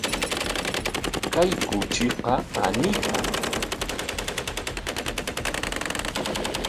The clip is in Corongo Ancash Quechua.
Kay kuchiqa paniipam.